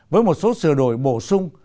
với một số sửa đổi bổ sung